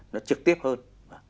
nó trực tiếp hơn